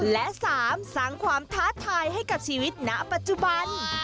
และ๓สร้างความท้าทายให้กับชีวิตณปัจจุบัน